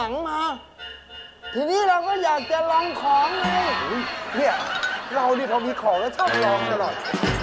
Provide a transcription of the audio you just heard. เนี่ยเราเนี่ยพอมีของเราชอบรองกันตลอด